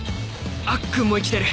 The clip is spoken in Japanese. アッくんも生きてる